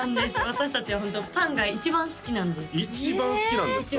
私達はホントパンが一番好きなんです一番好きなんですか？